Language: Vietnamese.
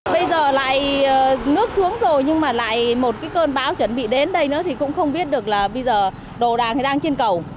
bây giờ lại nước xuống rồi nhưng mà lại một cái cơn bão chuẩn bị đến đây nữa thì cũng không biết được là bây giờ đồ đạc thì đang trên cầu